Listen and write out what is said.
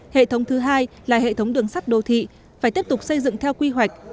hệ thống thứ hai là hệ thống đường sắt đô thị phải tiếp tục xây dựng theo quy hoạch